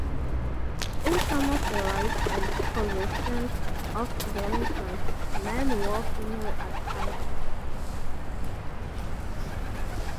In some of the rites and processions of Dionysus, men wore female attire.